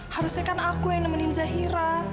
harusnya kan aku yang nemenin zahira